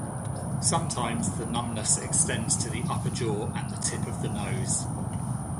Sometimes the numbness extends to the upper jaw and the tip of the nose.